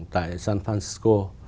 tại san francisco